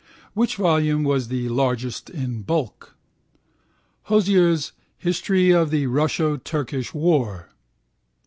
Which volume was the largest in bulk? Hozier's _History of the Russo Turkish War.